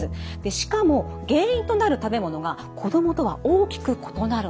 しかも原因となる食べ物が子どもとは大きく異なるんです。